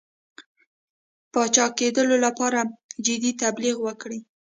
پاچاکېدلو لپاره جدي تبلیغ وکړي.